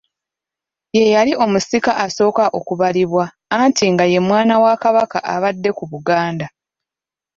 Ye yali omusika asooka okubalibwa, anti nga ye mwana wa Kabaka abadde ku Buganda.